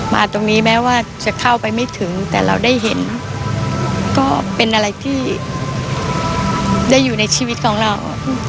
ตรงนี้แม้ว่าจะเข้าไปไม่ถึงแต่เราได้เห็นก็เป็นอะไรที่ได้อยู่ในชีวิตของเรา